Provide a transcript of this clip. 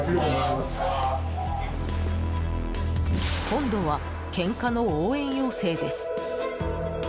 今度は、けんかの応援要請です。